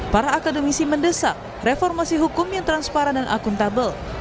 para akademisi mendesak reformasi hukum yang transparan dan akuntabel